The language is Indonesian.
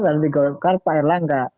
dan di golkar pak erlangga